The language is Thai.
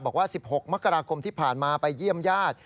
บอกว่า๑๖มกราคมที่ผ่านมาไปเยี่ยมญาติ